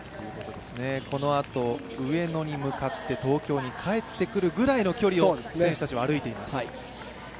このあと、上野に向かって東京に帰ってくるぐらいの距離を選手たちは歩いています。